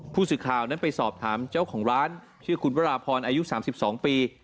ผู้สื่อข่าวนั้นไปสอบถามเจ้าของร้านชื่อคุณวราพรอายุ๓๒ปี